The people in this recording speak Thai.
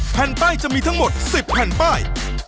แผ่นป้ายจะมีทั้งหมด๑๐แผ่นป้าย